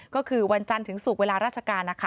ก็คือวันจันทร์ถึงสุดเวลาราชการ